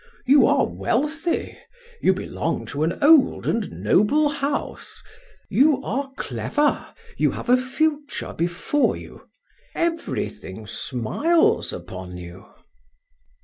"You are wealthy; you belong to an old and noble house; you are clever; you have a future before you; everything smiles upon you."